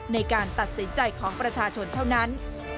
ในการตัดสินใจของประชาชนเท่านั้น